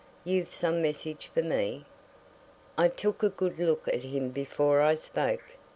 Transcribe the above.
You've some message for me?" I took a good look at him before I spoke.